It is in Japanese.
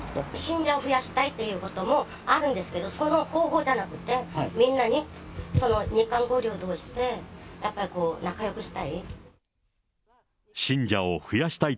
信者を増やしたいってこともあるんですけど、その方法じゃなくて、みんなに、その日韓交流を通してやっぱり仲よくしたい。